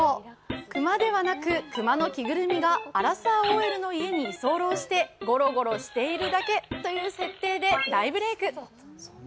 熊ではなく、熊の着ぐるみがアラサーＯＬの家に居候してゴロゴロしているだけという設定で大ブレーク。